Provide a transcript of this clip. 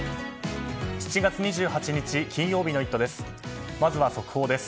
７月２８日、金曜日の「イット！」です。